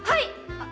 あっ。